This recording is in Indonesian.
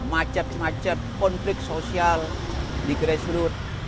macet macet konflik sosial di keras rute